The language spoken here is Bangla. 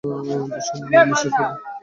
বসুন, মিসেস অ্যানিং।